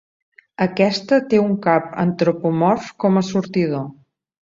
Aquesta té un cap antropomorf com a sortidor.